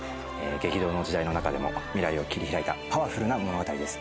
激動の時代の中でも未来を切り開いたパワフルな物語です。